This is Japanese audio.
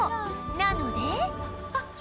なので